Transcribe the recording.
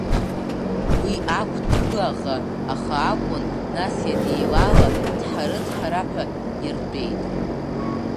Уи ақә ҭҳы аӷа, аха акәын, нас ианеилала ҭҳары, ҭҳара ҳәа иартәеит.